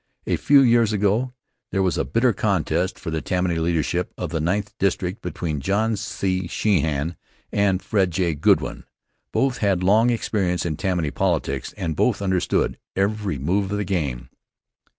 A few years ago there was a bitter contest for the Tammany leadership of the Ninth District between John C. Sheehan and Frank J. Goodwin. Both had had long experience in Tammany politics and both understood every move of the game.